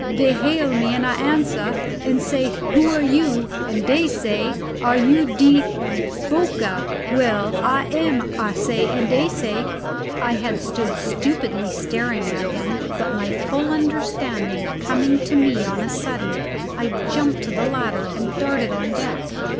Dey hail me an' I answer and say who are you, and dey say are you de Boca? We am, I say, and dey say " I had stood stupidly staring at him, but my full understanding coming to me on a sudden, I jumped to the ladder and darted on deck.